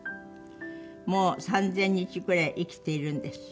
「もう３２００日くらい生きているんです」